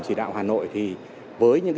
chỉ đạo hà nội thì với những